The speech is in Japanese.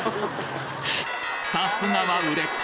さすがは売れっ子！